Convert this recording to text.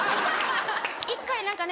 １回何かね